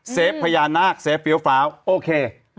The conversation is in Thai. พญานาคเซฟเฟี้ยวฟ้าวโอเค